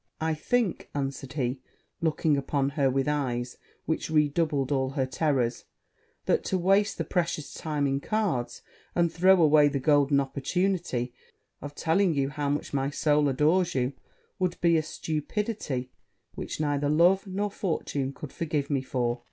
'I think,' answered he, looking upon her with eyes which redoubled all her terrors, 'that to waste the precious time in cards, and throw away the golden opportunity of telling you how much my soul adores you, would be a stupidity which neither love nor fortune could forgive me for.'